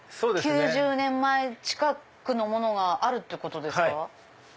９０年前近くのものがあるってことですか？